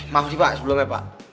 maaf sih pak sebelumnya pak